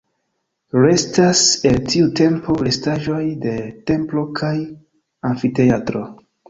Restas el tiu tempo restaĵoj de templo kaj amfiteatro.